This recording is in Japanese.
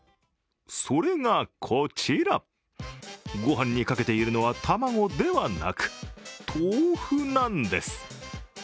それがこちら、ごはんにかけているのは卵ではなく豆腐なのです。